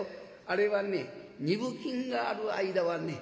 あれはね二分金がある間はね